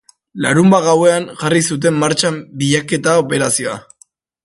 Larunbat gauean jarri zuten martxan bilaketa operazioa.